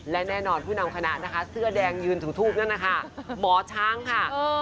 และแน่นอนผู้นำคณะนะคะเสื้อแดงยืนถูทูปนั่นนะคะหมอช้างค่ะ